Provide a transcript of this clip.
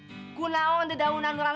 aku tahu yang ada di daunan orang